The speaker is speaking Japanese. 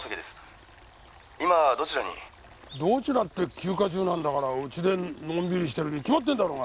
どちらって休暇中なんだから家でのんびりしてるに決まってんだろうが！